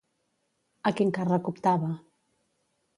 A quin càrrec optava?